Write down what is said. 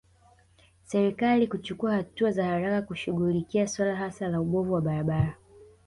Serikali kuchukua hatua za haraka kushughulikia suala hasa la ubovu wa barabara